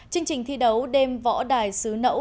chương trình thi đấu đêm võ đài sứ nẫu